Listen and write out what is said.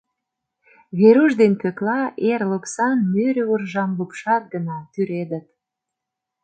Веруш ден Пӧкла эр лупсан нӧрӧ уржам лупшат гына, тӱредыт.